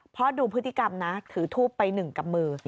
เพราะดูพฤติกรรมนะถือทูปไปหนึ่งกับมือ